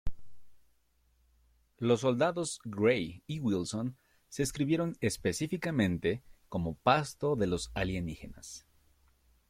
Los soldados Gray y Wilson se escribieron específicamente como "pasto de los alienígenas".